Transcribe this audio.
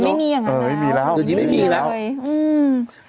เออไม่มีแล้วเดี๋ยวนี้ไม่มีแล้วอืม